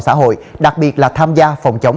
xã hội đặc biệt là tham gia phòng chống